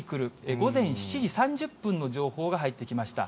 午前７時３０分の情報が入ってきました。